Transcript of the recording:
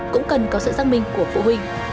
cũng cần có sự giác minh của phụ huynh